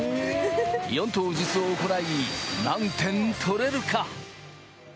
４投ずつ行い、何点取れるか？